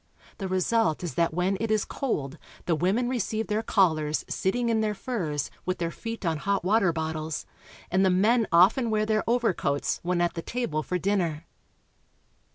The result is that when it is cold the women receive their callers sitting in their furs, with their feet on hot water bottles, and the men often wear their overcoats when at the table for dinner.